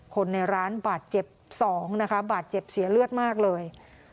คนในร้านบาดเจ็บ๒นะคะบาดเจ็บเสียเลือดมากเลย